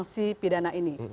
si pidana ini